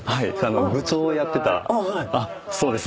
部長をやってたそうです